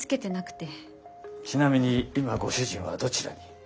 ちなみに今ご主人はどちらに？